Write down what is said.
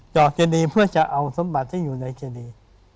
อกเจดีเพื่อจะเอาสมบัติที่อยู่ในเจดี